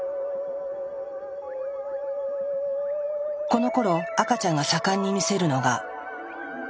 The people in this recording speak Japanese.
このころ赤ちゃんが盛んに見せるのが。